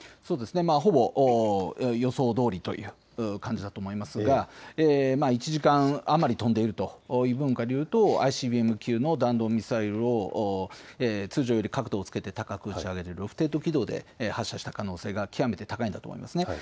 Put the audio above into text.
ほぼ予想どおりという感じだと思いますが、１時間余り飛んでいるという部分からいうとＩＣＢＭ級の弾道ミサイルを通常より角度をつけて高く打ち上げるロフテッド軌道で発射した可能性が極めて高いんだと思います。